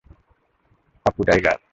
Pappu, tiger.